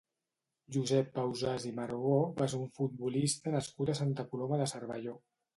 Josep Pausàs i Margó va ser un futbolista nascut a Santa Coloma de Cervelló.